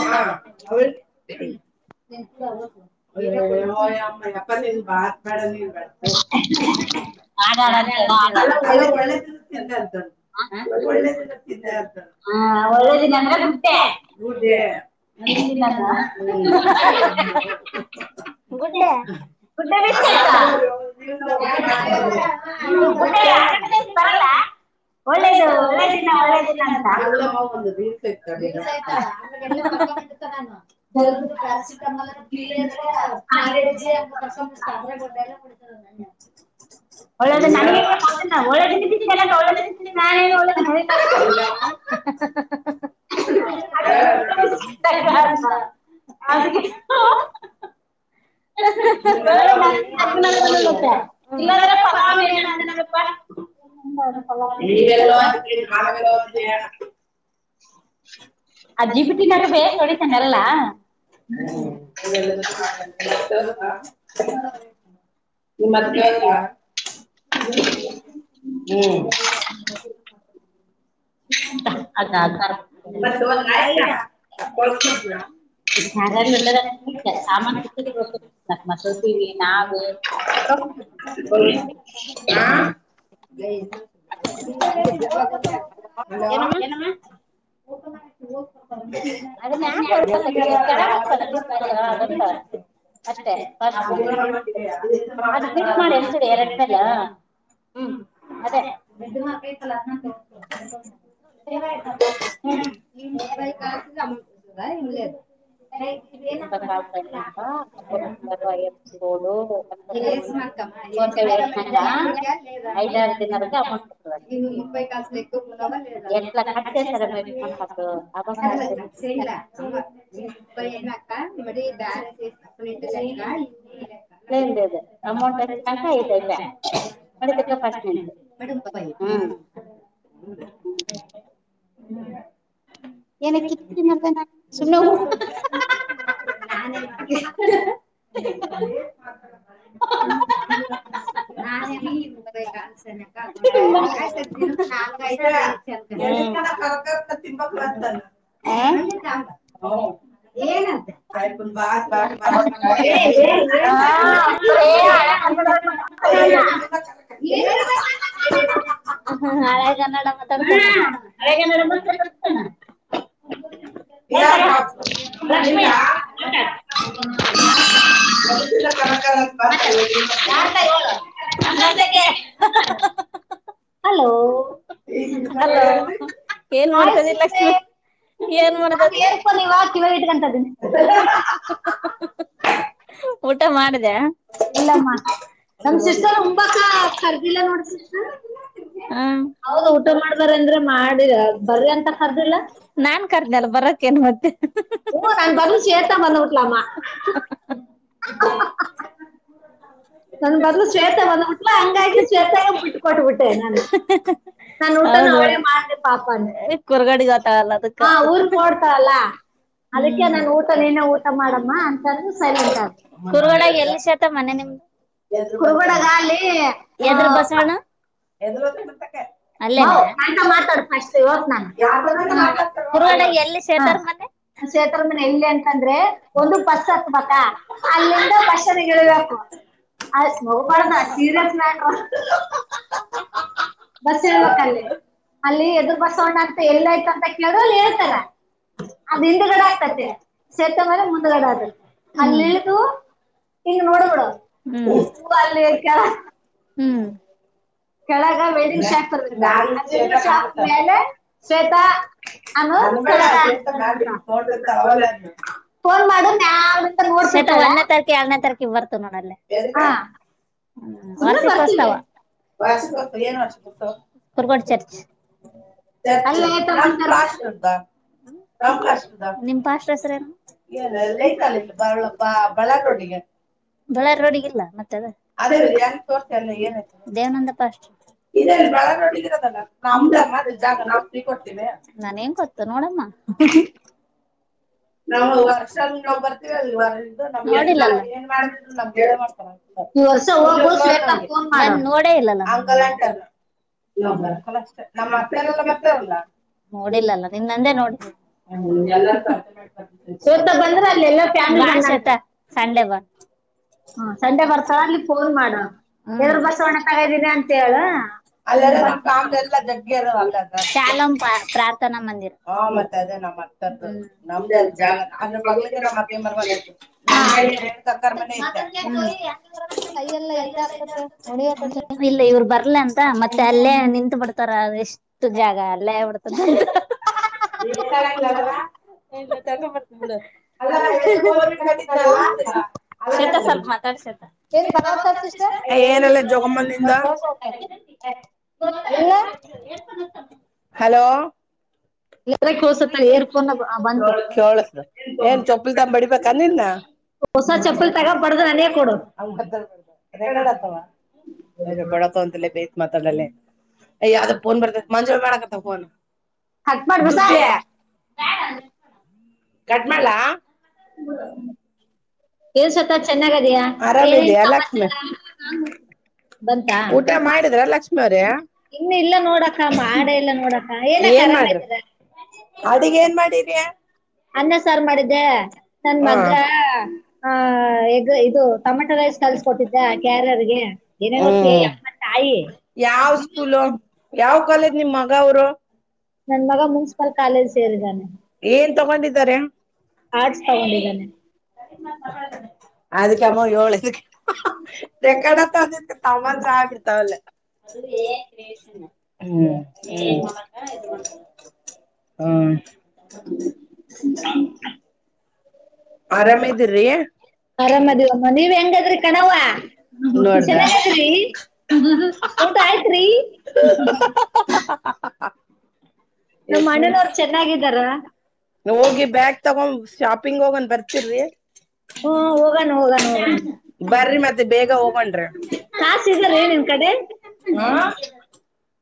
ಹ ಹಯ್ ಅಮ್ಮ ಯಪ್ಪ ನಿನ್ ಮಾಾತ್ ಮಾಡ ನೀನ್ ಬರ್ತ ನ ಒಳ್ಳೆದುತಿದ್ದೆ ಅಂತ ಹ ಒಳ್ಳೆ ಒಳ್ಳೆದಿನ ಅಂದ್ರೆ ಗುಡ್ ಮತ್ತಲ್ಲಿ ನಾನು ಗುಡ್ ಡೇ ಗೆ ಬರ ಒಳ್ಳೇದು ಒಳ್ಳೆದಮೆ ಒಳ್ಳೆದಮೆ ಅಂತ ಅಲ್ಲಸ ಆಯ್ತಾ ನಾನು ಜರ ಪ್ಯಾರಾಸಿಟಮಲ್ ಪಿ ಅಂದ್ರೆ ಪ್ಯಜಿ ಕಸ ಸಾ ಕೊಡ್ಲ್ಲಡ ಒಳ್ಳೆ ಒಳ್ಳೆ ತಿ ತಿಂತಲ್ಲ ಒಳ್ಳೆದ ತಿ ಒಳ್ಳ ಹ ತಗ ಹದ ತ್ತ ಇಲ್ಲಾದ್ರೆ ಪಲಾವ ಏನ ಅಂತ ನೋಡಪ್ಪಾ ಲ್ಲ ನಳಲ್ಲ ಆ ಜಿಪಿಟ ನಾಗ ಬೇ ಹೊಡಿತಾನೆ ಎಲ್ಲ ಹ್ಮಲ್ಲ ನಿ ಮತ್ತಲ್ಲ ಹ್ಮ್ ಅದ ಮತ್ತ ಹದ್ಲಾ ಇಲ್ಲ ತೊಳ್ಕೋದವಾ ನಾ ಕ ಹಲೋಮ್ಮ ಅದಾಬೇಕಗ ಅಷ್ಟೇಸ್ ಅದುಕ್ ಮಾಡಿ ಅನ್ಸರಿ ಎರಟ ಮೇಲ ಹ್ಮ್ ಅದೇ ಬೆಡ್ ಮಾಡ ಪತಲ್ಲ [unintelligible] [inaudible] [inaudible] [unintelligible] ಇನ್ನು ಮುಂಬೈ ಕಾಸ ಬೇಕು ಅವ ಹೇಳಿದ [unintelligible] ಸೇಲ್ಲಿಲ್ [inaudible] ಸರಿ [inaudible] ಪಕ್ಕ ಪ್ರಶನೆಂತೆ ಬಡು ಪೈ [unintelligible] ಹ್ಮ್ [inaudible] ಏನ ಕಿತಿ ತಿನ ಸುಮ್ಮ್ನೆ ಹ್ಮ್ [inaudible] ನಾನೆನೀ ಈ ಮುಕ್ತಬೇಕ [inaudible] [inaudible] [unintelligible] ಹೌ ಏನಂತ ಆಯ್ತ್ [unintelligible] ನಾತ [inaudible] ಕನ್ನಡ ಮಾತಾಡತನ ಹ್ಮ್ ಹಳೆ ಗನ್ನಡ ಮಾತಾಡ ಕತಾನ ಇದ [unintelligible] ಕಣಕಾಲ [inaudible] ಕ್ಕೆ [unintelligible] ಹಲೋ ಅಲೋ ಏನ್ ಮಾಡ್ತಾಯಿದ್ರಿ ಲಕ್ಷ್ಮಿ ಏನ್ ಮಾಡ್ತಾಯಿದಿ [unintelligible] ಊಟ ಮಾಡ್ದೆ ಹ್ಮ್ ಅವ್ರ ಊಟ ಮಾಡ್ತಿಲ್ಲ ನಾನ್ ಕರ್ದನೆಲ್ಲ ಬರಕ್ಕೇನ್ ಮತ್ತೆ ಹ್ಮ್ ನನ್ ಬದ್ಲ ಶ್ವೇತಾ ಬಂದ ಬುಟಲಮಾ [inaudible] ನನ್ನ ಬದ್ಲ ಶ್ವೇತಾ ಬಂದ ಬುಟಲ್ ಹಂಗಾಗಿ ಶ್ವೇತ ಬುಟಕೊಟ್ಬಿಟ್ಟೆ ಹೌದೌದ [unintelligible] ಕೊರಗಡಿಗ ಹೊತ್ತಳಲ್ಲ್ ಅದಕ್ಕ ಹ್ಮ್ ಕೊರಗಡಿಗ ಹೊತ್ತಾಳಲ್ ಹ್ಮ್ ಅದಕ್ಕೆ ನನ್ನ ಬುಟ್ಟ ನೀನೆ ಊಟ ಮಾಡಿ ಮ್ಮ್ ಅಂತ‌ಂದ ಸೈಡಿಗಿಟ್ಟೆ ಕೊರವಡೆಗ ಎಲ್ಲಿ ಶ್ವೇತಾ ಮನೆ ನಿಮ್ದ ಎದರ್ ಬಸವಣ ಎದರ್ ಬತ್ತ ಬಿತ್ತಕ್ಕೆ ಅಲ್ಲೇನೇ ಕೊರವಾಡೆಗ ಎಲ್ಲಿ ಶೇತಾರ ಮನೆ ಶ್ವೇತಾರ ಮನಿ ಎಲ್ಲಿ ಅಂತಂದ್ರೆ ಒಂದು ಬಸ್ ಹತ್ತಬೇಕ ಅಲ್ಲಿಂದ ಬಸ್ ಸ್ಟ್ಯಾಂಡನಾಗ ಇಳಿಬೇಕ ನಗಬಾಡದ ಸೀರಿಯಸ್ ಕೇಳಸಬೇಕ ಬಸ್ ಇಳ್ಬೇಕಲಿ ಅಲ್ಲಿ ಎದ್ರ ಬಸವಣಂತ ಎಲ್ಲ ಐತಂತ ಕೇಳಿದ್ರ ಅಲ್ಲಿ ಹೇಳ್ತಾರ ಅದ್ ಹಿಂದಗಡೆ ಆಗ್ತತಿ ಶ್ವೇತಾ ಮನಿ ಮುಂದಗಡೆ ಆತತಿ ಅಲ್ಲಿಳಿದು ಹಿಂಗ ನೋಡಬುಡ ಅಲ್ಲಿ ಕೆಳಗ ಕೆಳಗ ವೆಲ್ಡಿಂಗ್ ಶಾಪ್ ಇರುತ್ತ್ ವೆಲ್ಡಿಂಗ್ ಶಾಪ್ ಮೇಲೆ ಶ್ವೇತಾ ಅಲೋ [unintelligible] ಫೋನ್ ಮಾಡು ಮ್ಯಾಗಲಿಂತ ನೋಡ್ತಿರ್ತಾಳೆ ಎರಡನೇ ತಾರೀಕಿಗೆ ಬರ್ತದ ನೋಡಲ್ಲೇ ಎದಕ್ ವಾರ್ಷಿಕೋತ್ಸವ ವಾರ್ಷಿಕೋತ್ಸವ ಏನ್ ವಾರ್ಷಿಕೋತ್ಸವ [unintelligible] ನಿಮ್ ಬಾಸ್ ಹೆಸರೇನು [unintelligible] ಬಳ್ಳಾರ ರೋಡಿಗಿಲ್ಲ ಮತ್ತೆ ಅದೇ ಈಗ ಯಾರಿಗೆ ತೋರಿಸದೆ ಏನಂದ್ರು ದೇವನಂದಪ್ಪ ಹಾಸ್ಪಿಟಲ್ ಇದೇನು ಬಳ್ಳಾರಿ ರೋಡಿಗೆ ಇರದಲ್ವಾ ನಮ್ದ ಮತ್ ಜಾಗ ನಾವೇನ್ ಫ್ರೀ ಕೊಡ್ತೀವಾ ನನಗೇನು ಗೊತ್ತು ನೋಡೋಣ ಹೂ ಹೂ ಊ ನಾವು ವರ್ಷಲ್ ನಾವ್ ಬರ್ತೀವಲ್ ನೋಡಿಲ ವೆಲ್ಲ ನಾನು ನಾನ್ ನೋಡೆ ಇಲ್ಲ ನಮ್ಮಕ್ಕ ಅವರೆಲ್ಲ ಬರ್ತಾರೆ ಅಲ್ವ ನೋಡಿಲ್ಲಲ್ಲ ನಿನ್ ನಂಡೆ ನೋಡಿದ್ಯಾ ಬಾ ಶ್ವೇತಾ ಸಂಡೇ ಬಾ ಸಂಜೆ ಬರ್ತಾಳೆ ಅಲ್ಲಿ ಫೋನ್ ಮಾಡುವ ಎರ ಬಸವಣ ತಗ್ ಇರ್ತೀನಿ ಅಂತ ಹೇಳು ಅಲ್ಲೆಲ್ಲ ನಮ್ ಫ್ಯಾಮಿಲಿ ಏಲ್ಲ ಜೊತೆಗಿರೋದು ತನ ಮಂದಿರ್ ಹೂ ಮತ್ತೆ ಅದೇ ನಮ್ಮತ್ತೆರಡು ಜಾಗ ಅದರ ಮಗಳಿಗೆ ನಮ್ಮ ಅತ್ತೆ ಮಗಳು ಐತೆ ಜಾಗ ಮಗ್ನಲ್ಲೇ ರೇಣುಕಅಕ್ಕಕೊಂಡು ಮನೆ ಇದೆ ಇಲ್ಲ ಇವರು ಬರ್ಲಿಲ್ಲ ಅಂತ ಮತ್ತೆ ಅಲ್ಲೇ ನಿಂತ್ ಬಿಡ್ತಾರ ಅಡ್ ಎಷ್ಟು ಜಾಗ ಅಲ್ಲೇ ಅಲ್ಲೆ ಅಗ್ಬುದುತೆ ಅಲ್ಲ ಕೈ ಎಲ್ಲಿ ಕೋಲ್ ಹಿಡ್ಕೊಂಡಿದ್ದಲ್ಲ ಶ್ವೇತ ಸ್ವಲ್ಪ ಮಾತಾಡ್ ಶ್ವೇತಾ ಏನಿಲ್ಲ ಜೋಗಮ್ಮ ನಿಂದು ಹಲೋ ಎರ ಹೋಸುತ್ತ ಏರ್ ಫೋನ್ ನ ಬಂದ್ಲು ಕೇಳಿಸ್ತು ಇನ್ ಚಪ್ಲಿ ತಗೊಂಡು ಬಡಿಬೇಕು ನಿನ್ನ ಹೊಸ ಚಪ್ಪಲಿ ತಗೋ ಫರ್ಸ್ಟು ರೆಕಾರ್ಡ್ ಆತವಾ ಕೊಡಲೇ ಅಂತಲ್ಲೇ ಬೇತ್ ಮಾತಾಡಲ್ಲೇಯೇ ಯಾವ್ದ ಫೋನ್ ಬರ್ತಾ ಇದೆ ಮಂಜುಳ ಮಾಡಕತ್ತ ಫೋನ್ ಕಟ್ ಮಾಡಿ ಬಿಸಾಕಿ ಕಟ್ ಮಾಡ್ಲಾ ಆರಾಮಿದಯ ಲಕ್ಷ್ಮಿ ಊಟ ಮಾಡಿದ್ರ ಲಕ್ಷ್ಮಿ ಅವ್ರೇ ಏನ್ ಮಾಡ್ರಿ ಅಡಿಗೆ ಏನ್ ಮಾಡಿದಯಾ ಅನ್ನ ಸಾರ್ ಮಾಡಿದ್ದೆ ನನ್ ಮಗ್ಗ ಹ ಎಗ್ ಇದು ಟೊಮೆಟೊ ರೈಸ್ ಕಲ್ಸ್ಕೊಟ್ಟಿದೆ ಕೆರಿಯರ್ಗೆ ತಾಯಿ ಯಾವ ಸ್ಕೂಲ್ ಯಾವ ಕಾಲೇಜ್ ನಿಮ್ ಮಗ ಅವರು ನನ್ ಮಗ ಮುನ್ಸಿಪಲ್ ಕಾಲೇಜ್ ಸೇರಿದ್ದಾನೆ ತರುಣ್ ಆರ್ಟ್ಸ್ ತಗೊಂಡಿದ್ದಾನೆ ಅದಕ್ಕೆ ಅಮ್ಮ ಹೇಳಿದ್ದು ರೆಕಾರ್ಡ್ ಆಗ್ತಾ ಇದೆ ತಮಾಷೆಯಾಗಿತ್ತು ಹೂ ಹೂ ಹೂ ಆರಾಮ್ ಇದ್ದೀರಿ ಆರಾಮ್ ಇದ್ದೀವಿ ಕಣಮ್ಮ ನೀವು ಹೇಗಿದ್ದೀರಾ ಕಾಡವ್ವ ಚೆನ್ನಾಗಿದ್ದೀರಿ [inaudible] [unintelligible] ಹೋಗಿ ಬ್ಯಾಗ್ ತಗೊಂಡ ಶಾಪಿಂಗ್ ಹೋಗನ. ಬರ್ತೇರಿ ಬರ್ರಿ ಮತ್ತೆ ಬೇಗ ಹೋಗೊಂಡ್ರಿ. ಕಾಸ್ ಇದೆ ರಿ ನಿಮ್ಮ್ ಕಡೆ. ಹಾ.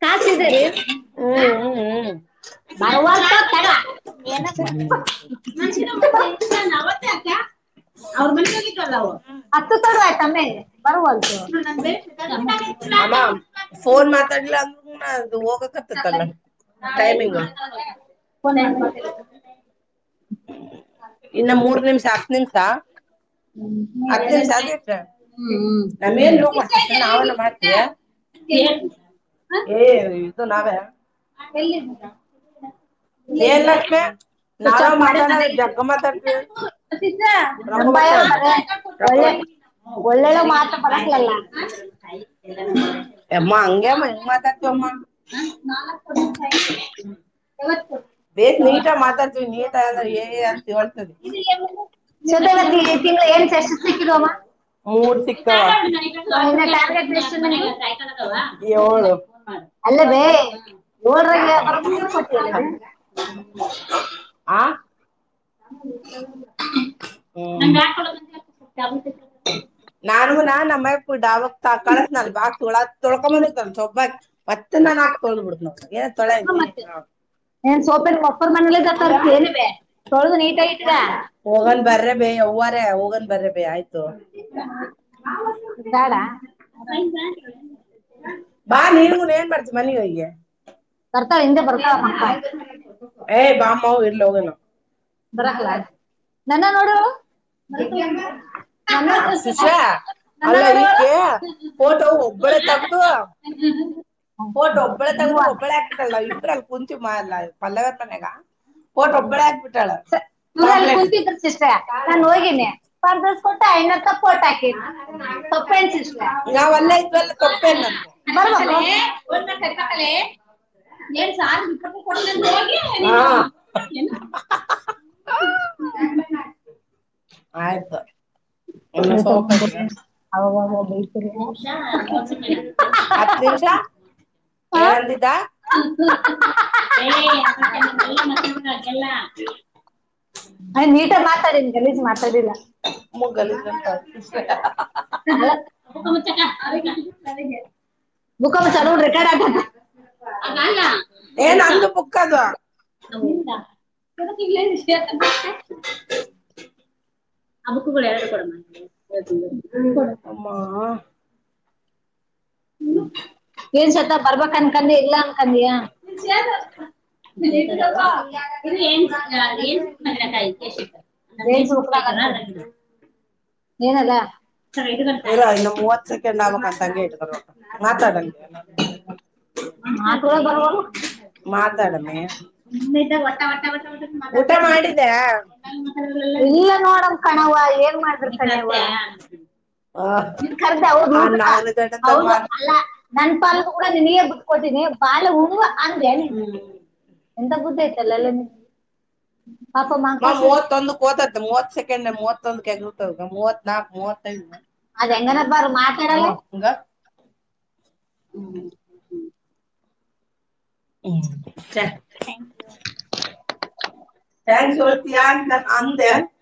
ಕಾಸ್ ಇದ ರಿ. ಹ್ಮ್. ಬರವತ ಯಾಕ್ ತೊಗೊ. [inaudible] ಅವ್ರ ಮನಲಿಲ್ಲ ಅವ ಹತ್ತು ಆಕ ಇತ್ತರ್ಬ ಬ ಅಮ್ಮ ಫೋನ್ ಮಾತಾಡ್ಲ ಅಂದ್ರೂ ನ ಅದು ಹೋಗಕತತ್ತಲ್ಲ. ನಾಳೆ [inaudible] ಇನ್ನ ಮೂರ್ ನಿಮಿಷ ಹತ್ತು ನಿಮಿಸ ಹತ್ತು ನಿಮಿಷ ಆದಿತ್ರ ನಮ ಏನ್ ಹೋಗತ ನಾವೆಲ್ಲ ಮಾಡ್ತೀವ. [inaudible] ಏ ಇದು ನಾವೇ. ಏನ್ ಲಕ್ಷ್ಮಿ ನಾವ ನಾವ ಮಾತಾಡ ಜಗ್ಗಮ್ಮತ್ರ್ತಿ. ರೊಕ್ಕಾ ಬರತಾವ ಅಂದಿ ರೊಕ್ಕ ಬರ್ತಾವ [inaudible] ಯಮ್ಮ ಹೆಂಗ ಅಮ್ಮ ಹೆಂಗ ಮಾತಾಡ್ತೇವ್ ಅಮ್ಮ. ಹ ನಾಲ್ಕ. [inaudible] ಬೇಸ್ ನೀಟಾಗ ಮಾತಾಡ್ತವಿ ನೀಟ ಅಂದ್ರೆ ಏ ಅಂತಳ್ತದೆ. ಜೊತೆರ ತಿಂಗಳು ಏನ್ ಸರ್ಷ್ಟ ಸಿಕ್ಕಿದ್ಮ್ಮ. [inaudible] ಅಲ್ಲ ಬೇ ನೋಡ ಕೊಟ್ಟಲ್ಲ ಬೇ ಆ. [inaudible] ನಾನು ನ ನಮ್ಮಾವಕ್ ಡಾಬಾ ಕಳ್ಸ್ತನಲ್ಲ ಬಾಕ್ಸ್ ಗೊಳ್ ಅದ ತೊಲಸ್ಕೊಂಡ ಬಂದೈತಿ ಅಂತ ಸೋಬ್ಬ ಹಾಕಿ. ಮತ್ತೆ ನಾನ್ ಹಾಕಿ ತೊಳಲ್ ಕುಡ್ಕಣ ಏ ತೊಲ ಏನ್ ಸೋಪೆನಾ ನಿಮ್ಮಪರ್ ಮನಿಂದ ತರ್ತಿ ಏನ್ ಬೀ [inaudible] ಹೋಗನ್ ಬರ್ರ ಬೇಯ ಯವ್ವಾರ ಹೋಗನ್ ಬರ್ರ ಬೇ ಆಯ್ತು. ಬ್ಯಾಡಾ. [inaudible] ಬಾ ನೀನ್ಗನ್ ಏನ್ ಮಾಡ್ತಿ ಮನಿಗ ಹೋಗಿ [inaudible] ಬಾಮ ಇರ್ಲಿ ಹೋಗನ ಬರಕ್ಲಯ್ತು ನನ್ನ ನೋಡ [inaudible] ಅಲ್ಲ ಇಕಿ ಫೋಟೋ ಒಬ್ಬಳೆ ತಗ್ದ ಫೋಟೋ ಒಬ್ಬಳ ತಗ್ದದು ಒಬ್ಬಳ ಆಕ್ ಬಿಟ್ಟಲ್ಲ ನಾವು ಇಬ್ರ ಕುಂತಿವ ಮ ಎಲ್ಲ ಪಲ್ಲವಿಯಾರ ಮನ್ಯಾಗ ಫೋಟೋ ಒಬ್ಬಳೆ ಆಗ್ಕ್ಬಿಟ್ಟಾಳ. ಹೋಗಿನಸ್ ಕೊಟ್ಟ ಇ ತಪ್ಪ ಹೊಟ್ಟಾಕ ತಪ್ಪೇನ್ಸಷ್ಟ್ಯಾ [unintelligible] ಬರ್ಬೇಕು. [inaudible] ಏನ್ ಸಾರ್ [inaudible] ಹೋಗಿ ನೀನು. [unintelligible] ಆಯ್ತು. [inaudible] ಹತ್ತ ನಿಮಿಷ ಮೂವತ್ ಸೆಕೆಂಡ್ ಆಯ್ತ್ ಹತ್ತು ನಿಮಿಷ ಏನಂದಿದ್ದ ಹೇ ಅದ್ರಿಂಗದ ಬೆಲ್ಲ ತಗಿಬೇಡ ಬೆಲ್ಲ ಹ ನೀಟಾಗಿ ಮಾತಾಡಿನ ಗಲೀಜ ಮಾತಾಡಿಿಲ್ಲ ಬೂಕ ಮುಚ್ಚಕ್ಕ ಬುಕ ಮುಚ್ಚು ಎಲ್ಲಾ ರೆಕಾರ್ಡ್ ಆಗೆತಿತಿ ಅಣ್ಣಾ ಅಣ್ಣಾ ಏನು ಅಲ್ಲಟಾ ಹ ಆಕ್ಕುಗಳು ಎರಡು ಕೊಡಮ್ ಎಷ್ಟು ಕೊಡಕು ಅಮ್ಮಾ ಸತ್ತ ಬರ್ಬಕ್ ಅನ್ಕೊಂಡ ಇಲ್ಲ ಅನ್ಕೊಂಡಯ ಕೇಳಬೇಕು ಇನ ಏನ್ ನಾಯ್ತಾರ ಇರ ಇನ್ನು ಮೂವತ್ ಸೆಕೆಂಡ್ ಆಗ್ಬೇಕ ಅಂತಂಗೆ ಇ ಮಾತಾಡ ಅಲ್ಲಿ ಮಾತುಗಳು ಬರುವಾಲವು ಮಾತಾಡು ನಿ ಒಟ್ಟಒಟ್ಟ ಗದ್ದಲ ಮದ್ಯಾಲ ಇಲ್ಲ ನೋಡಮ ಕಣವ ಏನ್ ಮಾಡದ್ರಿ ಹ ನಿನ ಕರ್ತವ್ಯ ಹಾ ನಾಗರಾಜಣ್ಣನ ತಾಗ ಮಾಡಿಸು. ಅಲ್ಲಾ ನನ್ ಪಾಲು ಹಗ ನಿಗೆ ಕೊಟ್ಟನಿ ಪಾಲು ಹುಣುವ ಅಂದೇನಿನು ಎಂತ ಬುದ್ದಿ ಅಯ್ತಲ್ಲ ನಿನು ನ ಮೂವತ್ತೊಂದು. ಕೋತೈತಿ ಮೂವತ್ ಸೆಕೆಂಡ್ ಮೂವತ್ತೊಂದಕ್ ಎಗ್ರತವೆ ಮೂವತ್ ನಾಕ್ ಮೂವತ್ತೈದು ಅದು ಯಂಗಾರು ಬರಲಿ ಮಾತಾಡ ಬೆ [inaudible] ಹ್ಮ್ ಹ್ಮ್ ಹ ಚ ಯ [inaudible] ಥಾಂಕು ಥ್ಯಾಂಕ್ಸ್ ಜಾಕ್ನ ಮುಂದೆ [unintelligible]